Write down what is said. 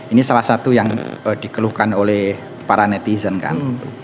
ini salah satu yang dikeluhkan oleh para netizen kan